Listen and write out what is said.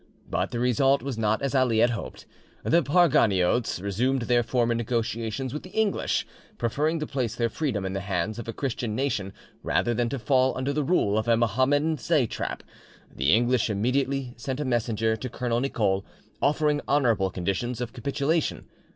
But the result was not as Ali had hoped: the Parganiotes resumed their former negotiations with the English, preferring to place their freedom in the hands of a Christian nation rather than to fall under the rule of a Mohammedan satrap.... The English immediately sent a messenger to Colonel Nicole, offering honourable conditions of capitulation.